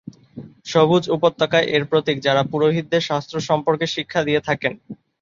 সবুজ: উপাধ্যায় এর প্রতীক, যারা পুরোহিতদের শাস্ত্র সম্পর্কে শিক্ষা দিয়ে থাকেন।